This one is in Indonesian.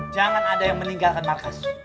jangan ada yang meninggalkan nafas